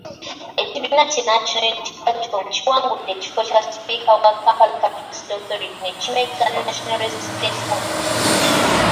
Ekibiina ki National Unity Platform kiwangudde ekifo kya sipiika wa Kampala Capital City Authority ne kimegga National Resistance Movement.